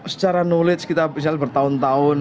secara knowledge kita misalnya bertahun tahun